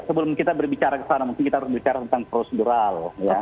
sebelum kita berbicara kesana mungkin kita harus bicara tentang prosedural